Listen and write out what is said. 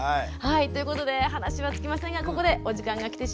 ということで話は尽きませんがここでお時間が来てしまいました。